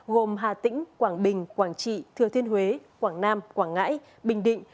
gồm hà tĩnh quảng bình quảng trị thừa thiên huế quảng nam quảng ngãi bình định